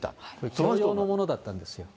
共用のものだったんですよ。